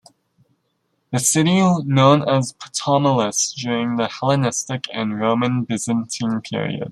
The city was known as "Ptolemais" during the Hellenistic and Roman-Byzantine periods.